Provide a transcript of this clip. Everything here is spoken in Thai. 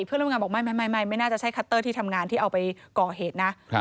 เพื่อนร่วมงานบอกไม่น่าจะใช่คัตเตอร์ที่ทำงานที่เอาไปก่อเหตุนะ